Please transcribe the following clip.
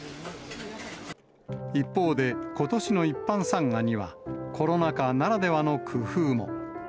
一方で、ことしの一般参賀には、コロナ禍ならではの工夫も。